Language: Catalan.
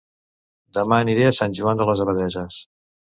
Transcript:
Dema aniré a Sant Joan de les Abadesses